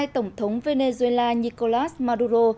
tổng thống venezuela nicolas maduro